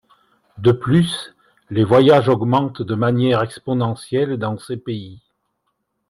De plus les voyages augmentent de manière exponentielle dans ces pays.